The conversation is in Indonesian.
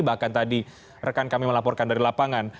bahkan tadi rekan kami melaporkan dari lapangan